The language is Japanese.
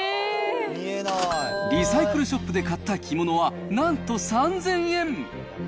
リサイクルショップで買った着物は、なんと３０００円。